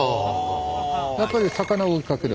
やっぱり魚を追いかける